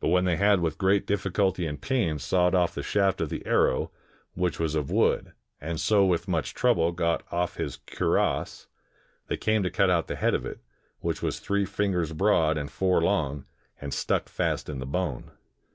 But when they had with great difli culty and pains sawed off the shaft of the arrow, which was of wood, aixl so with much trouble got off his 88 ALEXANDER THE GREAT IN INDIA cuirass, they came to cut out the head of it, which was three fingers broad and four long, and stuck fast in the bone.